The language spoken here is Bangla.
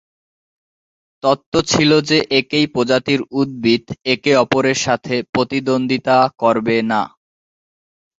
তত্ব ছিল যে একই প্রজাতির উদ্ভিদ একে অপরের সাথে প্রতিদ্বন্দ্বিতা করবে না।